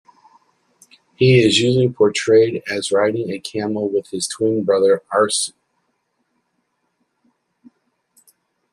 He is usually portrayed as riding a camel with his twin brother Arsu.